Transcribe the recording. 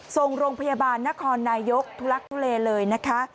ส่งโรงพยาบาลนครนายกทุลักทุเลเลยนะคะ